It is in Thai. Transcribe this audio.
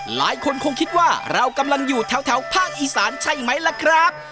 หลายคนคงคิดว่าเรากำลังอยู่แถวภาคอีสานใช่ไหมล่ะครับ